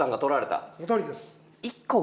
そのとおりです。